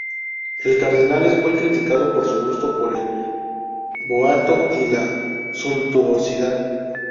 El cardenal es muy criticado por su gusto por el boato y la suntuosidad.